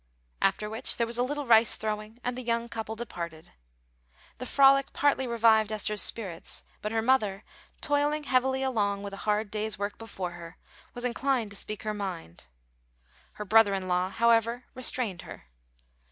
After which there was a little rice throwing, and the young couple departed. The frolic partly revived Esther's spirits; but her mother, toiling heavily along with a hard day's work before her, was inclined to speak her mind. Her brother in law, however, restrained her.